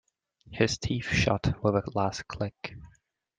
His teeth shut with a last click.